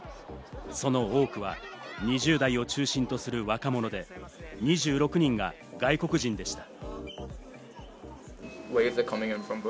その多くは２０代を中心とする若者で、２６人が外国人でした。